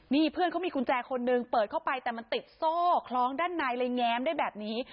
นี่เพื่อนเขามีกุญแจคนหนึ่งเปิดเข้าไปแต่มันติดโซ่คล้องด้านในเลยแง้มได้แบบนี้